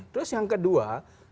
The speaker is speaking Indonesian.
terus yang kedua